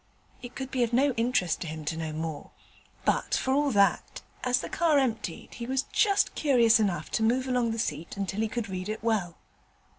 It could be of no interest to him to know more; but for all that, as the car emptied, he was just curious enough to move along the seat until he could read it well.